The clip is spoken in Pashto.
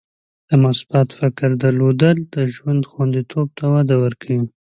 د مثبت فکر درلودل د ژوند خوندیتوب ته وده ورکوي.